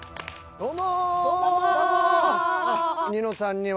どうも。